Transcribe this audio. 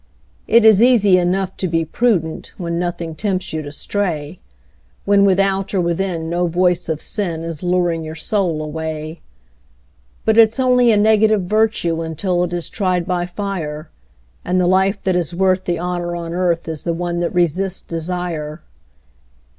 It is easy enough to be prudent When nothing tempts you to stray, When without or within no voice of sin Is luring your soul away; But it's only a negative virtue Until it is tried by fire, And the life that is worth the honour on earth Is the one that resists desire.